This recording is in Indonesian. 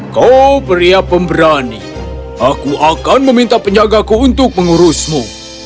kau beriak pemberani aku akan meminta penyagaku untuk mengurusmu